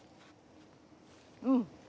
うん！